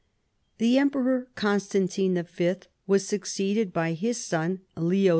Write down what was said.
* The Emperor Constantine Y. was succeeded by his son Leo IV.